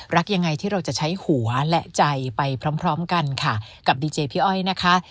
รักยังไงที่เราจะใช้หัวและใจไปพร้อมพร้อมกันค่ะกับดีเจพี่อ้อยนะคะ